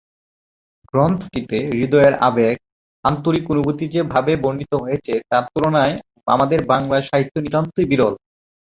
গ্রন্থটিতে হৃদয়ের আবেগ, আন্তরিক অনুভূতি যে ভাবে বর্ণিত হয়েছে তার তুলনা আমাদের বাংলা সাহিত্যে নিতান্তই বিরল।